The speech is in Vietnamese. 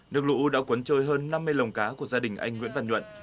nước lũ đã cuốn trôi hơn năm mươi lồng cá của gia đình anh nguyễn văn nhuận